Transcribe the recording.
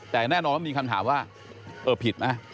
แต่แน่นอนว่ามีคำถามว่าเออผิดไหม